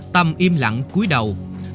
tâm im lặng cuối đầu